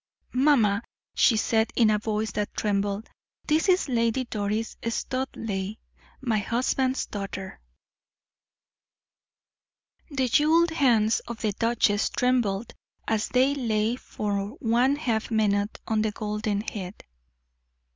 "Mamma," she said in a voice that trembled, "this is Lady Doris Studleigh, my husband's daughter." The jeweled hands of the duchess trembled as they lay for one half minute on the golden head.